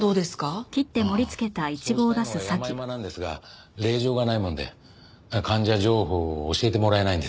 ああそうしたいのは山々なんですが令状がないもので患者情報を教えてもらえないんですよ。